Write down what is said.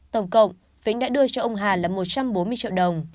tổng cộng vĩnh đã đưa cho ông hà là một trăm bốn mươi triệu đồng